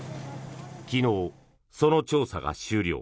昨日、その調査が終了。